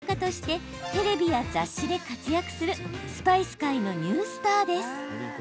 スパイス料理研究家としてテレビや雑誌で活躍するスパイス界のニュースターです。